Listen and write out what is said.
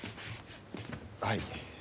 はい。